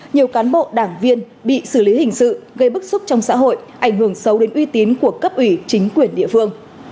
nhiều cán bộ đảng viên bị xử lý hình sự gây bức xúc trong xã hội ảnh hưởng sâu đến uy tín của cấp ủy chính quyền địa phương